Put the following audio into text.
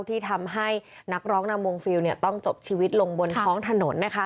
ที่ทำให้นักร้องนำวงฟิลต้องจบชีวิตลงบนท้องถนน